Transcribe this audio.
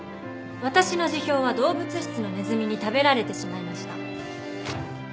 私の辞表は動物室のネズミに食べられてしまいました。